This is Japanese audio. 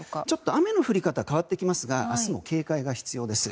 雨の降り方が変わってきますが明日も警戒が必要です。